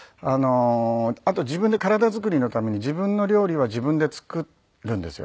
あと自分で体作りのために自分の料理は自分で作るんですよね。